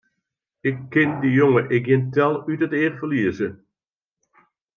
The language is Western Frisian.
Ik kin dy jonge ek gjin tel út it each ferlieze!